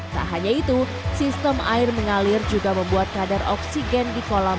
tak hanya itu sistem air mengalir juga membuat kadar oksigen di kolam